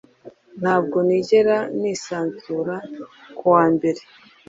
Ntabwo nigera nisanzura kuwa mbere